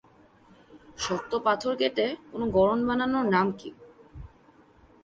শক্ত পাথর কেটে কোনো গড়ন বানানোর নাম কী?